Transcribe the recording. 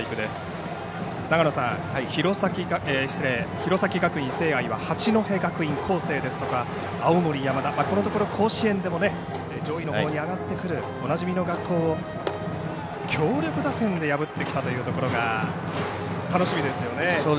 弘前学院聖愛は八戸学院光星ですとか青森山田、このところ甲子園でも上位のほうに上がってくるおなじみの学校を強力打線で破ってきたというところが楽しみですよね。